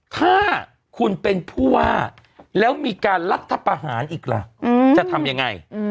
ถ้าคุณเป็นผู้ว่าแล้วมีการรัฐประหารอีกล่ะจะทำยังไง